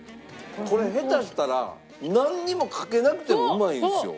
これ下手したらなんにもかけなくてもうまいですよ。